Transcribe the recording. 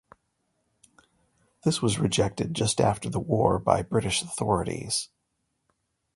This was rejected just after the war by British authorities.